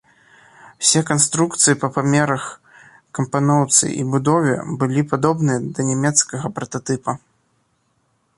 Усе канструкцыі па памерах, кампаноўцы і будове былі падобныя да нямецкага прататыпа.